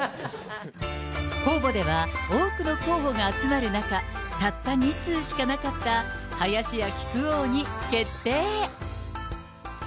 公募では、多くの公募が集まる中、たった２通しかなかった林家木久扇に決定。